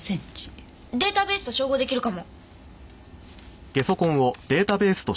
データベースと照合出来るかも。